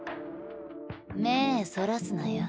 目ぇそらすなよ。